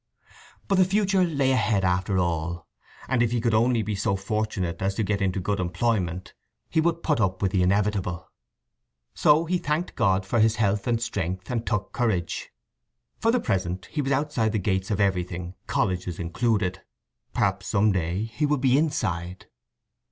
But the future lay ahead after all; and if he could only be so fortunate as to get into good employment he would put up with the inevitable. So he thanked God for his health and strength, and took courage. For the present he was outside the gates of everything, colleges included: perhaps some day he would be inside.